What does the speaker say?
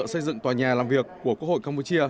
xây dựng tòa nhà làm việc của quốc hội campuchia